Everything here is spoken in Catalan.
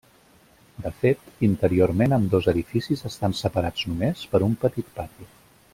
De fet, interiorment ambdós edificis estan separats només per un petit pati.